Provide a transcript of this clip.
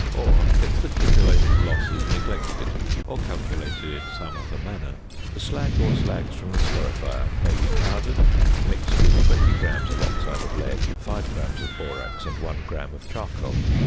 Or, if the cupellation loss is neglected or calculated in some other manner, the slag or slags from the scorifier may be powdered and mixed with 20 grams of oxide of lead, 5 grams of borax, and 1 gram of charcoal.